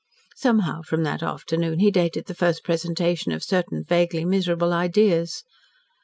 Somehow from that afternoon he dated the first presentation of certain vaguely miserable ideas.